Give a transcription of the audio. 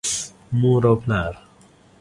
مور او پلار